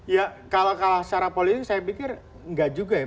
ya kalau kalah secara politik saya pikir enggak juga ya